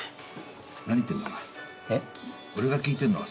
何言ってんだ？